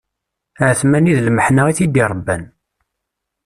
Ԑetmani d lmeḥna i t-id-iṛebban.